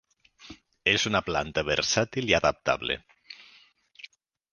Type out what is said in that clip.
Es una planta versátil y adaptable.